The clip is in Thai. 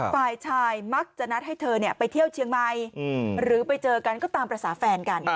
ฝ่ายชายมักจะนัดให้เธอไปเที่ยวเชียงใหม่หรือไปเจอกันก็ตามภาษาแฟนกัน